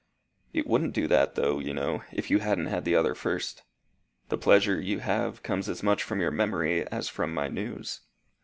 "It wouldn't do that, though, you know, if you hadn't had the other first. The pleasure you have comes as much from your memory as from my news."